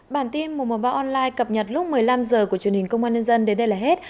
bản tin mùa mùa vào online cập nhật lúc một mươi năm h của chương trình công an nhân dân đến đây là hết